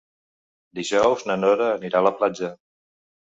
Dijous na Nora anirà a la platja.